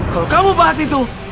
kalau kamu bahas itu